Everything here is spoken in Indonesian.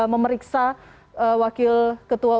memeriksa wakil ketua